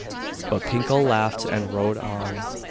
But Pinkel laughed and rowed on.